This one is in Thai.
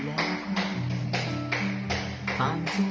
ดีจริง